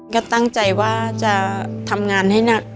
ก็ตั้งใจว่าจะทำงานให้หนัก